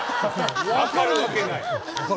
分かるわけない。